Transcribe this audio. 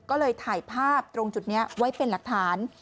ก็เลยถ่ายภาพตรงจุดนี้ไว้เป็นหลักฐาน